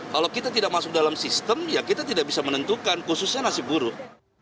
kalau kita tidak masuk dalam sistem ya kita tidak bisa menentukan khususnya nasib buruk